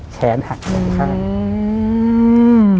แฉนหักลงข้าง